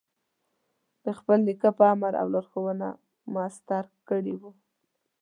د خپل نیکه په امر او لارښوونه مسطر کړي ول.